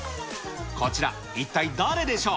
こちら、一体誰でしょう？